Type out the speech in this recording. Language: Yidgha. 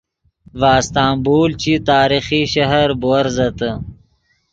ڤے استنبول چی تاریخی شہر بوورزتے